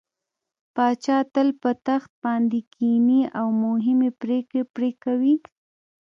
پاچا تل په تخت باندې کيني او مهمې پرېکړې پرې کوي.